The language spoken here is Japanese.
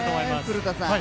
古田さん